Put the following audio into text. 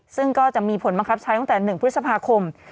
ซึ่งก็จะมีผลบังคับใช้ตั้งแต่๑พฤษภาคม